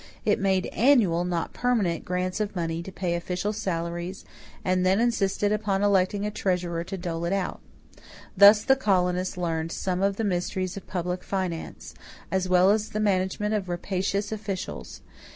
It made annual, not permanent, grants of money to pay official salaries and then insisted upon electing a treasurer to dole it out. Thus the colonists learned some of the mysteries of public finance, as well as the management of rapacious officials.